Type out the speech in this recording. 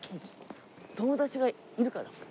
友達がいるから。